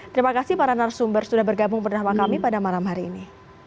terima kasih para narasumber sudah bergabung bersama kami pada malam hari ini